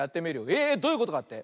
えどういうことかって？